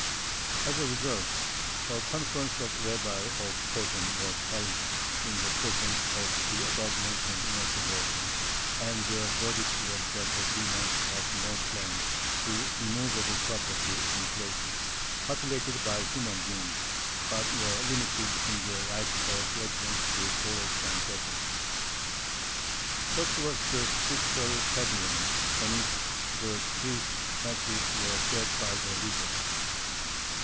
As a result, a conference of the rabbis of Posen was held in the presence of the above mentioned miracle worker, and their verdict was that the demons had no claim to immovable property in places populated by human beings, but were limited in their right of residence to forests and deserts. Such was the spiritual pabulum on which the Jewish masses were fed by their leaders.